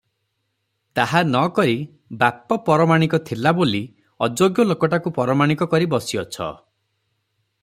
ତାହା ନ କରି ବାପ ପରମାଣିକ ଥିଲା ବୋଲି ଅଯୋଗ୍ୟ ଲୋକଟାକୁ ପରମାଣିକ କରି ବସିଅଛ ।